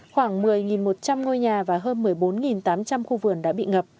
khoảng một mươi một trăm linh ngôi nhà và hơn một mươi bốn tám trăm linh khu vườn đã bị ngập